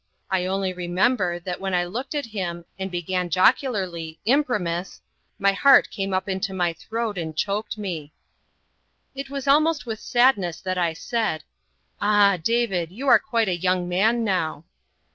I only remember that when I looked at him, and began jocularly "Imprimis," my heart came up into my throat and choked me. It was almost with sadness that I said, "Ah! David, you are quite a young man now."